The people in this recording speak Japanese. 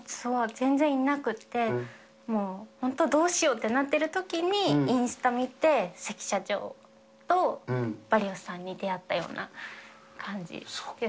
全然いなくって、もう本当、どうしようってなっているときに、インスタ見て、石社長とヴァリオスさんに出会ったような感じで。